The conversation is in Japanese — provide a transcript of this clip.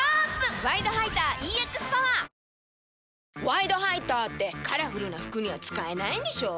「ワイドハイター」ってカラフルな服には使えないんでしょ？